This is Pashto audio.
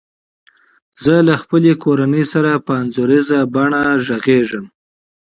زه له خپلي کورنۍ سره په انځوریزه بڼه غږیږم.